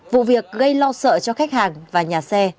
vụ việc gây lo sợ cho khách hàng và nhà xe